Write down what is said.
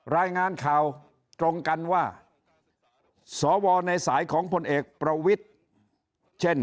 รายงานข่าวตรงกันว่าสวในสายของพลเอกประวิทธิ์เช่น